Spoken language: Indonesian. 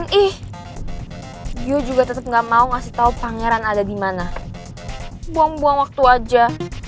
ngeselin ih gio juga tetep gak mau ngasih tau pangeran ada dimana buang dua waktu aja